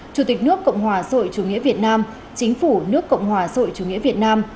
chủ tịch nước cộng hòa sội chủ nghĩa việt nam chính phủ nước cộng hòa sội chủ nghĩa việt nam